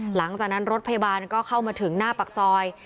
หลังจากนั้นรถพยาบาลก็เข้ามาถึงหน้าปากซอย